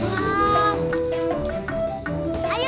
wah indah banget